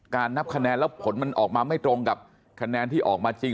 นับคะแนนแล้วผลมันออกมาไม่ตรงกับคะแนนที่ออกมาจริง